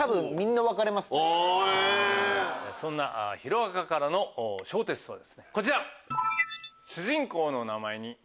そんな『ヒロアカ』からの小テストはこちら。